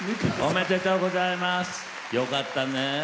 よかったね。